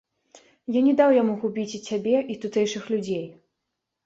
Я не даў яму губіць і цябе, і тутэйшых людзей.